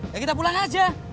ya kita pulang aja